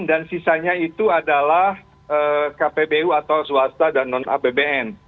dan sisanya itu adalah kpbu atau swasta dan non apbn